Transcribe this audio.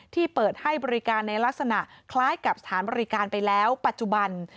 ที่เปิดให้บริการในลักษณะคล้ายกับสถานบริการไปแล้วปัจจุบัน